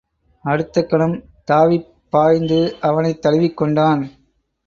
அடுத்த கணம் தாவிப் பாய்ந்து அவனைத் தழுவிக் கொண்டான்.